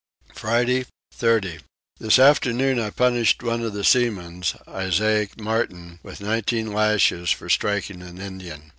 Friday 30. This afternoon I punished one of the seamen, Isaac Martin, with nineteen lashes for striking an Indian.